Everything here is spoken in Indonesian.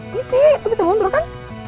nih sih lo bisa mundur kan